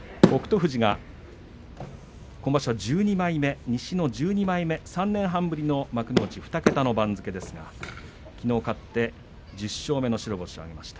富士が今場所は西の１２枚目３年半ぶりの幕内２桁の番付ですがきのう勝って１０勝目の白星を挙げました。